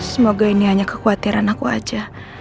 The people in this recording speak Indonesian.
semoga ini hanya kekhawatiran aku saja